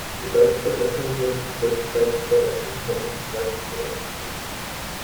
Die deutsche Bevölkerung wurde zum größten Teil von der örtlichen polnischen Verwaltungsbehörde vertrieben.